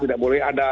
tidak boleh ada